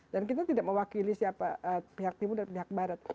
kita tidak mewakili siapa pihak timur dan pihak barat